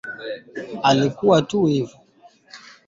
Vijidudu husababisha ugonjwa wa ukurutu kwa ngombe